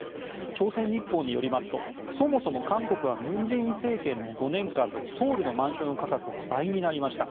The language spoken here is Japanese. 朝鮮日報によりますとそもそも韓国は文在寅政権の５年間でソウルのマンション価格は倍になりました。